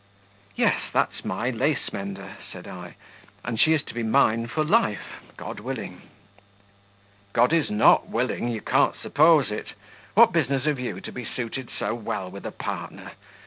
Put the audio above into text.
"Yes, that's my lace mender," said I; "and she is to be mine for life God willing." "God is not willing you can't suppose it; what business have you to be suited so well with a partner?